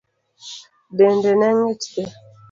Dende ne ng'ich thii.